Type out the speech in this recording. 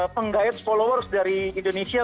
penggait followers dari indonesia